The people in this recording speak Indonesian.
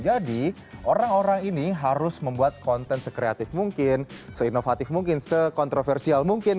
jadi orang orang ini harus membuat konten sekreatif mungkin seinovatif mungkin sekontroversial mungkin